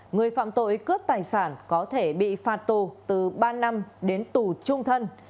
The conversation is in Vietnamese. người phạm tội cướp tài sản có thể bị phạt tù từ ba năm đến tù trung thân